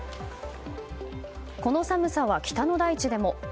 この寒さは北の大地でも。